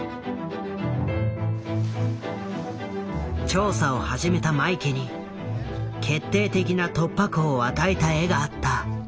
調査を始めたマイケに決定的な突破口を与えた絵があった。